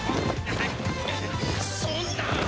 そんな！